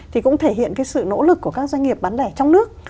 thì cũng thể hiện cái sự nỗ lực của các doanh nghiệp bán lẻ trong nước